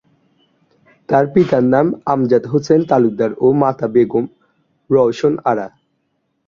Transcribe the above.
তার পিতার নাম আমজাদ হোসেন তালুকদার ও মাতা বেগম রওশন আরা।